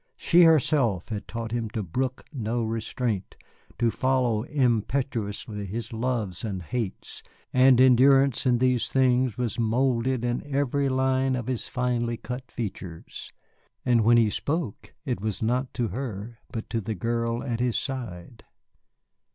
She herself had taught him to brook no restraint, to follow impetuously his loves and hates, and endurance in these things was moulded in every line of his finely cut features. And when he spoke it was not to her, but to the girl at his side.